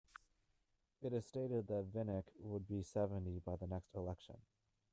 It is stated that Vinick would be seventy by the next election.